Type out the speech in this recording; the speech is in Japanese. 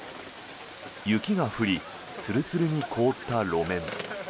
雪が降りツルツルに凍った路面。